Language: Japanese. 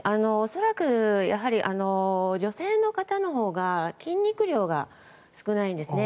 恐らくやはり、女性の方のほうが筋肉量が少ないんですね。